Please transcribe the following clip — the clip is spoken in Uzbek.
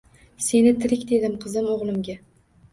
Seni tirik dedim qizim, o’g’limga